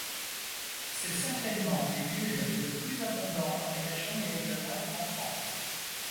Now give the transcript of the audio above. C'est certainement l'iule le plus abondant dans les régions méridionales en France.